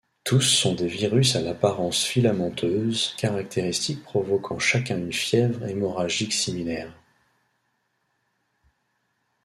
Tous sont des virus à l'apparence filamenteuse caractéristique provoquant chacun une fièvre hémorragique similaire.